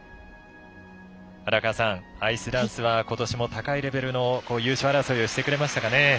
荒川さん、アイスダンスはことしも高いレベルの優勝争いをしてくれましたかね。